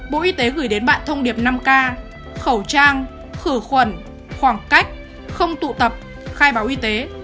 bộ y tế gửi đến bạn thông điệp năm k khẩu trang khử khuẩn khoảng cách không tụ tập khai báo y tế